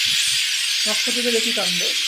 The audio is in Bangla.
নক্ষত্রদের এ কী কাণ্ড!